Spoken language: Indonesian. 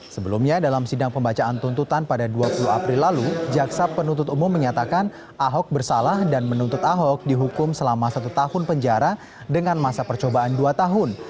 sebelumnya dalam sidang pembacaan tuntutan pada dua puluh april lalu jaksa penuntut umum menyatakan ahok bersalah dan menuntut ahok dihukum selama satu tahun penjara dengan masa percobaan dua tahun